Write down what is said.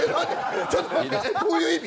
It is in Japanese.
ちょっと待って、どういう意味！？